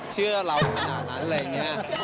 เชื่อเราอะไรอย่างนี้